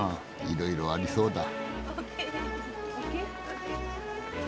いろいろありそうだ。